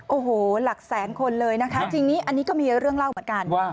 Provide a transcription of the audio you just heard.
โอ้โหหลักแสนคนเลยนะคะจริงนี้อันนี้ก็มีเรื่องเล่าเหมือนกันว่า